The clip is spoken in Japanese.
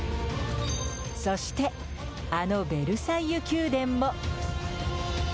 そしてあのヴェルサイユ宮殿も。